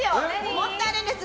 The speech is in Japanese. もっとあるんです。